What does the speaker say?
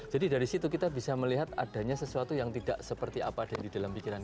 jadi dari situ kita bisa melihat adanya sesuatu yang tidak seperti apa ada di dalam pikiran